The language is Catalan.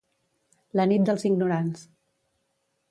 La nit dels ignorants.